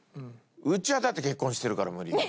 うちはだって結婚してるから無理よ。